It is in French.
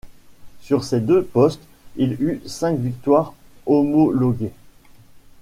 Sur ces deux postes, il eut cinq victoires homologuées.